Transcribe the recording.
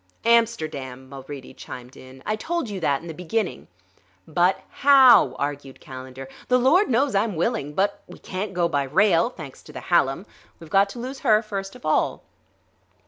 "Amsterdam," Mulready chimed in. "I told you that in the beginning." "But how?" argued Calendar. "The Lord knows I'm willing but ... we can't go by rail, thanks to the Hallam. We've got to lose her first of all."